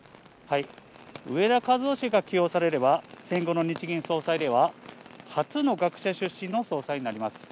植田和男氏が起用されれば、戦後の日銀総裁では、初の学者出身の総裁になります。